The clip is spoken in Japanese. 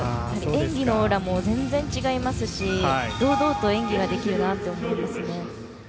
演技も全然違いますし堂々と演技ができるなって思いますね。